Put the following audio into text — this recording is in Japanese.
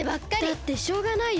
だってしょうがないよ。